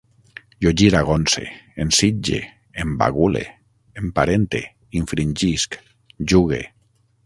Jo giragonse, ensitge, embagule, emparente, infringisc, jugue